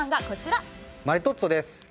マリトッツォです。